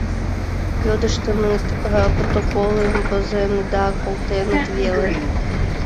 Йодыштыныт, протоколым возеныт да колтеныт веле.